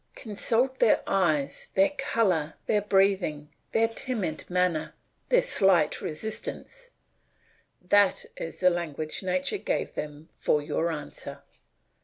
Consult their eyes, their colour, their breathing, their timid manner, their slight resistance, that is the language nature gave them for your answer.